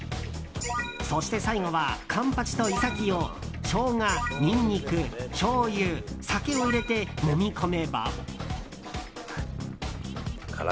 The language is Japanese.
そして最後はカンパチとイサキをしょうが、ニンニク、しょうゆ酒を入れてもみ込めば。